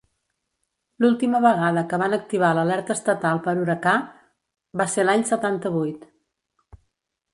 L'última vegada que van activar l'alerta estatal per huracà va ser l'any setanta-vuit.